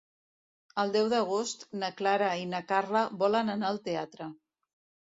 El deu d'agost na Clara i na Carla volen anar al teatre.